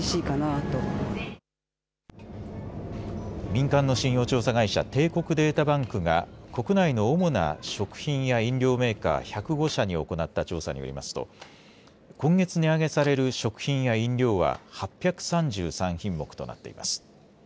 民間の信用調査会社、帝国データバンクが国内の主な食品や飲料メーカー、１０５社に行った調査によりますと今月、値上げされる食品や飲料は８３３品目となっています。